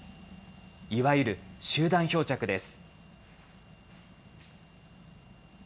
いわゆる集団漂着です。